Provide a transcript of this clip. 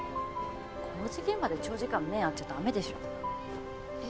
工事現場で長時間目合っちゃダメでしょ。